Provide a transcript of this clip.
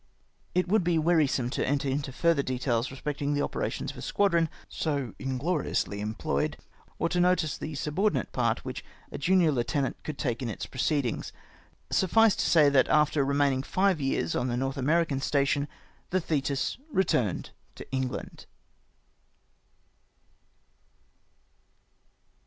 It would be wearisome to enter into further details respecting the operations of a squadron so ingloriously employed, or to notice the subordinate part which a jmiior heutenant could take in its proceedings. Suffice it to say, that after remaining five years on the North American station, the Thetis retiurned to England.